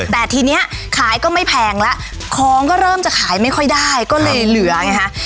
แต่ทีนี้ขายก็ไม่แพงแล้วของก็เริ่มจะขายไม่ค่อยได้ก็เลยเหลือไงฮะ